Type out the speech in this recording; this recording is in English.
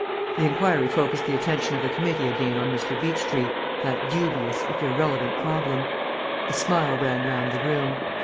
The inquiry focused the attention of the committee again on Mr. Beechtree, that dubious, if irrelevant, problem. A smile ran round the room.